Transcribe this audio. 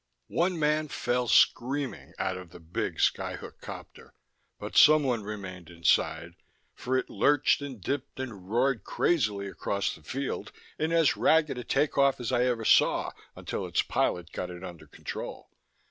One man fell screaming out of the big skyhook copter, but someone remained inside, for it lurched and dipped and roared crazily across the field in as ragged a take off as I ever saw, until its pilot got it under control.